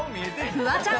フワちゃん。